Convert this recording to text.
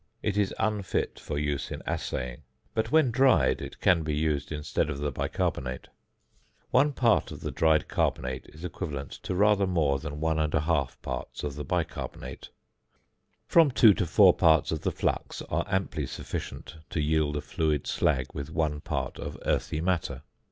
It is unfit for use in assaying, but when dried it can be used instead of the bicarbonate. One part of the dried carbonate is equivalent to rather more than one and a half parts of the bicarbonate. From two to four parts of the flux are amply sufficient to yield a fluid slag with one part of earthy matter.